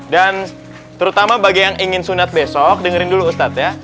dan terutama bagi yang ingin sunat besok dengerin dulu ustadz ya